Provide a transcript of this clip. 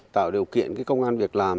tạo điều kiện công an việc làm